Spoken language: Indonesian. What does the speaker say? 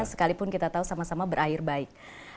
sekalipun kita tahu sama sama berakhir baik